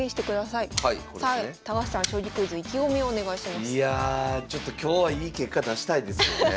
いやあ今日はいい結果出したいですよね。